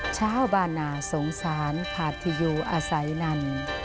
ชาวบ้านนาสงสารขาดที่อยู่อาศัยนั่น